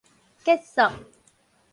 結束